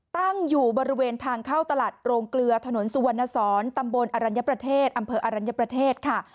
ตั้งอยู่บริเวณทางเข้าตลาดโรงเกลือถนนสุวรรณสอนตำบลอรัญญประเทศอำเภออรัญญประเทศค่ะ